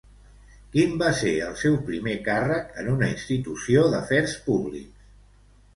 Quin va ser el seu primer càrrec en una institució d'afers públics?